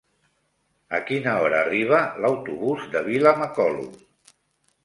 A quina hora arriba l'autobús de Vilamacolum?